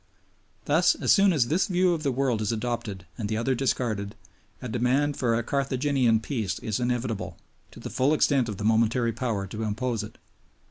Thus, as soon as this view of the world is adopted and the other discarded, a demand for a Carthaginian Peace is inevitable, to the full extent of the momentary power to impose it.